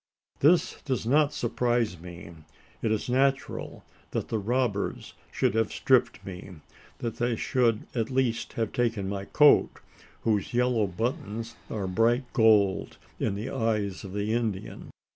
This does not surprise me. It is natural that the robbers should have stripped me that they should at least have taken my coat, whose yellow buttons are bright gold in the eyes of the Indian.